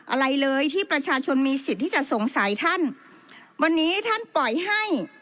อะไรเลยที่ประชาชนมีสิทธิ์ที่จะสงสัยท่านวันนี้ท่านปล่อยให้